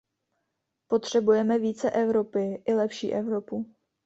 Potřebujeme více Evropy i lepší Evropu.